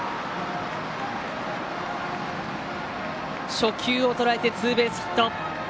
初球をとらえてツーベースヒット。